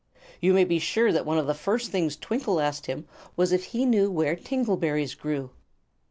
You may be sure that one of the first things Twinkle asked him was if he knew where tingle berries grew.